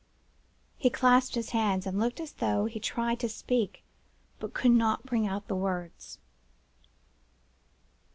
"He clasped his hands, and looked as though he tried to speak, but could not bring out the words.